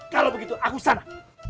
kalau begitu aku sana